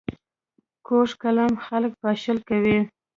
کوږ کلام خلک پاشل کوي